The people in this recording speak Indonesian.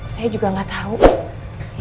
saya juga gak tahu ya